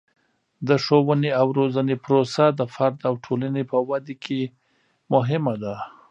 د ښوونې او روزنې پروسه د فرد او ټولنې په ودې کې مهمه ده.